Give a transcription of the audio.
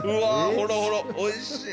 ほろほろおいしい。